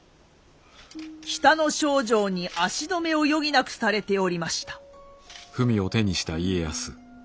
北ノ庄城に足止めを余儀なくされておりました。